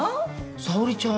沙織ちゃん